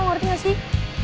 ngerti gak sih